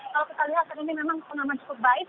kalau kita lihat ini memang pengaman cukup baik